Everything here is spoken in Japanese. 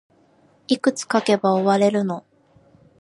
いくつ書けば終われるの